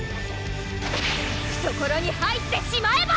懐に入ってしまえば！